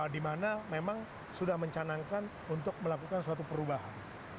di mana memang sudah mencanangkan untuk melakukan suatu perubahan